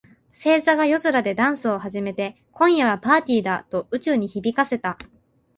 星座が夜空でダンスを始めて、「今夜はパーティーだ！」と宇宙に響かせた。